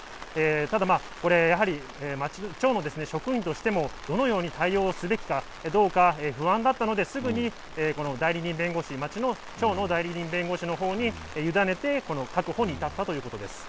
ただやはり、町の職員としてもどのように対応すべきか、どうか不安だったので、すぐにこの代理人弁護士、町の町の代理人弁護士のほうに委ねて確保に至ったということです。